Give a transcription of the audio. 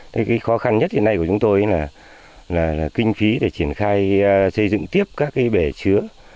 thế cái khó khăn nhất hiện nay của chúng tôi là kinh phí để triển khai xây dựng tiếp các cái bể chứa